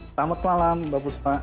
selamat malam mbak busta